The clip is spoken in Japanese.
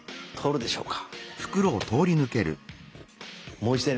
通るでしょうか？